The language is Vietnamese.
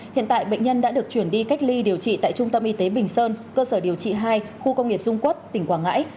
hiện tại bệnh nhân đã được chuyển đi cách ly điều trị tại trung tâm y tế bình sơn cơ sở điều trị hai khu công nghiệp dung quất tỉnh quảng ngãi